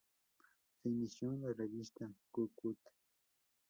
Se inició en la revista "¡Cu-Cut!